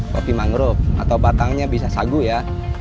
kopi mangrove atau batangnya bisa sagu ya